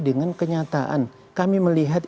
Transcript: dengan kenyataan kami melihat